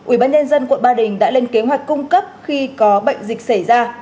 ủy ban nhân dân quận ba đình đã lên kế hoạch cung cấp khi có bệnh dịch xảy ra